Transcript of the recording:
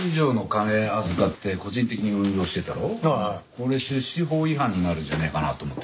これ出資法違反になるんじゃねえかなと思ってさ。